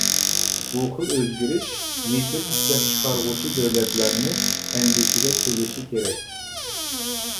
بۇ خىل ئۆزگىرىش نېفىت ئىشلەپچىقارغۇچى دۆلەتلەرنى ئەندىشىگە سېلىشى كېرەك.